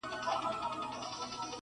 انتظار به د سهار کوو تر کومه-